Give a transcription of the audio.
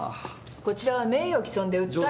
こちらは名誉棄損で訴える。